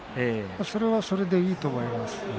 それはそれでいいと思います。